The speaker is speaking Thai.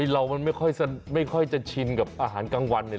เรามันไม่ค่อยจะชินกับอาหารกลางวันเลย